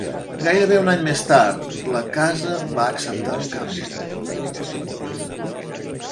Gairebé un any més tard la Casa va acceptar el canvi.